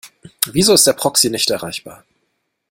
Wieso ist der Proxy nicht erreichbar?